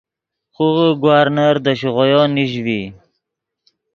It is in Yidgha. خوغے گورنر دے شیغویو نیش ڤی